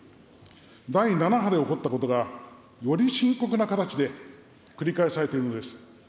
第７波で起こったことが、より深刻な形で繰り返されているのです。